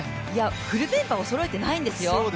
フルメンバーをそろえてないんですよ。